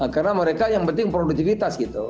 karena mereka yang penting produktivitas gitu